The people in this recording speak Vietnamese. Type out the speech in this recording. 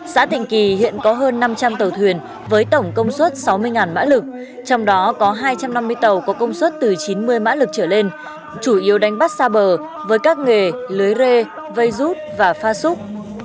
xã thịnh kỳ hiện có hơn năm trăm linh tàu thuyền với tổng công suất sáu mươi mã lực trong đó có hai trăm năm mươi tàu có công suất từ chín mươi mã lực trở lên chủ yếu đánh bắt xa bờ với các nghề lưới rê vây rút và pha súc